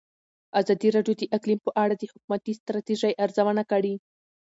ازادي راډیو د اقلیم په اړه د حکومتي ستراتیژۍ ارزونه کړې.